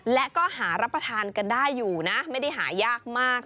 และก็หารับประทานกันได้อยู่นะไม่ได้หายากมาก